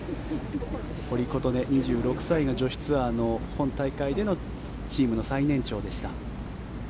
堀琴音、２６歳の女子ツアーの今大会でのチームの最年少でした。